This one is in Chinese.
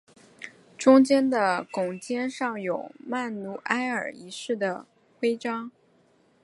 中间的拱肩上有曼努埃尔一世的徽章。